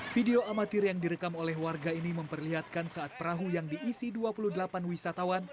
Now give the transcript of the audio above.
video amatir yang direkam oleh warga ini memperlihatkan saat perahu yang diisi dua puluh delapan wisatawan